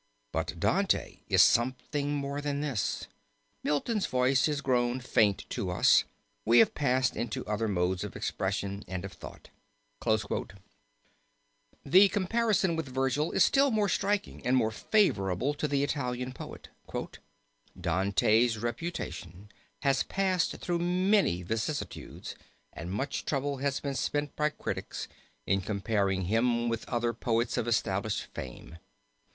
But Dante is something more than this. Milton's voice is grown faint to us we have passed into other modes of expression and of thought." The comparison with Vergil is still more striking and more favorable to the Italian poet. "Dante's reputation has passed through many vicissitudes, and much trouble has been spent by critics in comparing him with other poets of established fame.